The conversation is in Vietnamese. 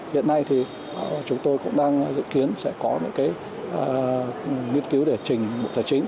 hiện nay chúng tôi cũng đang dự kiến sẽ có những nghiên cứu để trình tài chính